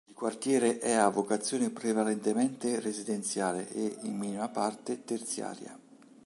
Il quartiere è a vocazione prevalentemente residenziale e, in minima parte, terziaria.